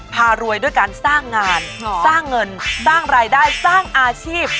พารวยด้วยการสร้างงานสร้างเงินสร้างรายได้สร้างอาชีพ